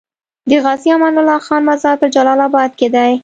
د غازي امان الله خان مزار په جلال اباد کی دی